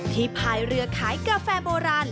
พายเรือขายกาแฟโบราณ